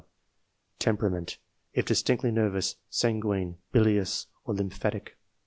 Tempera ment, if distinctly nervous, sanguine, bilious, or lymphatic